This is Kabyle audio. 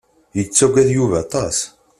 Yettagad Yuba aṭas.